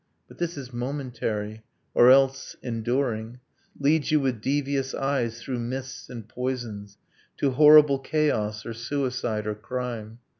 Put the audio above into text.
But this is momentary ... or else, enduring, Leads you with devious eyes through mists and poisons To horrible chaos, or suicide, or crime